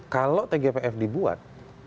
kalau tgpf dibuat